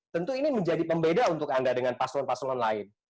tentu ini menjadi pembeda untuk anda dengan paslon paslon lain